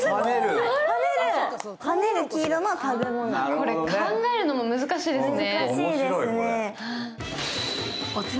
これ考えるのも難しいですね。